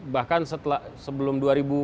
bahkan sebelum dua ribu tujuh belas